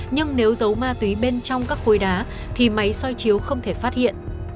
nhưng nếu giấu ma túy bên trong các khối đá thì máy soi chiếu không thể phát hiện